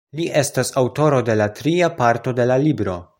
Li estas aŭtoro de la tria parto de la libro.